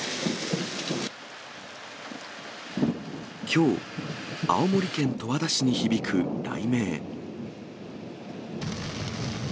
きょう、青森県十和田市に響く雷鳴。